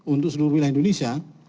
untuk seluruh wilayah indonesia